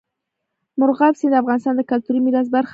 مورغاب سیند د افغانستان د کلتوري میراث برخه ده.